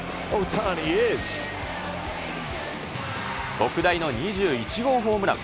特大の２１号ホームラン。